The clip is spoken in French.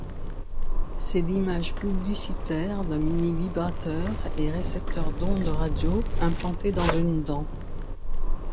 C'est l'image publicitaire d’un mini-vibrateur et récepteur d’ondes radio implanté dans une dent.